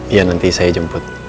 iya nanti saya jemput